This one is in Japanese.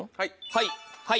はい。